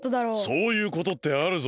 そういうことってあるぞ。